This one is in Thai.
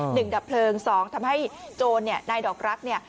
ดับเพลิงสองทำให้โจรเนี่ยนายดอกรักเนี่ย